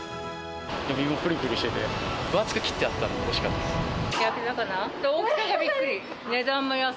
身もぷりぷりしてて、分厚く切ってあったんで、おいしかったです。